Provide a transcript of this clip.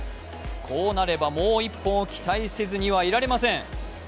こうなればもう１本を期待せずにはいられません。